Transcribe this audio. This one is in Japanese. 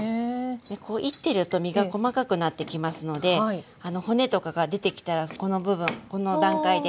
でこういってると身が細かくなってきますので骨とかが出てきたらこの部分この段階で取ったら大丈夫ですね。